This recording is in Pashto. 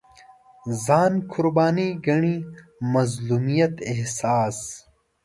ځان قرباني ګڼي مظلومیت احساس